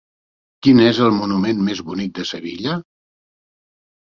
Quin és el monument més bonic de Sevilla?